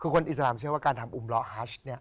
คนอิสรามเชื่อว่าการทำอุ๋มเลาะ